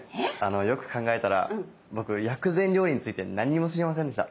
よく考えたら僕薬膳料理について何も知りませんでした。